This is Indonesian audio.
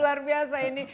luar biasa ini